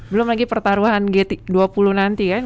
belum lagi pertaruhan g dua puluh nanti kan